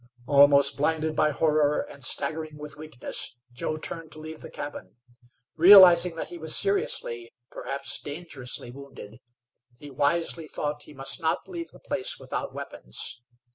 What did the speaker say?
Almost blinded by horror, and staggering with weakness, Joe turned to leave the cabin. Realizing that he was seriously, perhaps dangerously, wounded he wisely thought he must not leave the place without weapons.